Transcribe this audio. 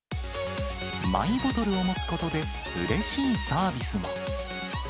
マイボトルを持つことで、うれしいサービスも。